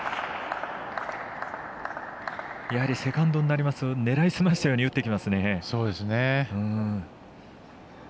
やはりセカンドになりますと狙いすましたように打ってきますね。